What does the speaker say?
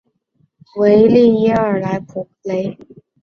维利耶尔莱普雷。